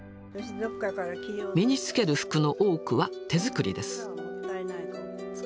身に着ける服の多くは手作りです。